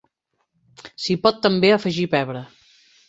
S'hi pot també afegir pebre.